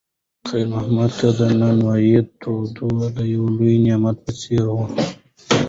خیر محمد ته د نانوایۍ تودوخه د یو لوی نعمت په څېر وه.